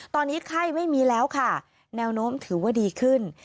ตอนนี้ไข้ไม่มีแล้วค่ะแนวโน้มถือว่าดีขึ้น